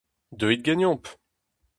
Deuit ganeomp !